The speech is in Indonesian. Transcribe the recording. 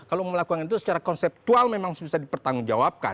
kalau mau melakukan itu secara konseptual memang bisa dipertanggungjawabkan